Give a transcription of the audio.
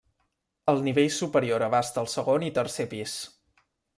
El nivell superior abasta el segon i tercer pis.